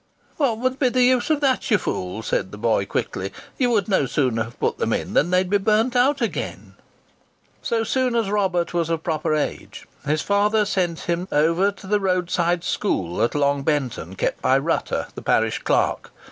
"What would be the use of that, you fool?" said the boy quickly. "You would no sooner have put them in than they would be burnt out again!" So soon as Robert was of proper age, his father sent him over to the road side school at Long Benton, kept by Rutter, the parish clerk.